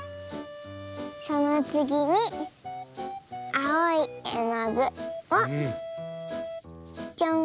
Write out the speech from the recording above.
そのつぎにあおいえのぐをちょん。